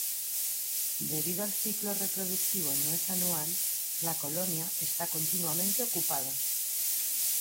Debido al ciclo reproductivo no es anual, la colonia está continuamente ocupada.